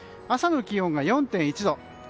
朝の気温が４．１度。